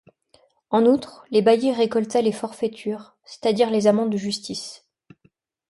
En outre, les baillis récoltaient les forfaitures, c'est-à-dire les amendes de justice.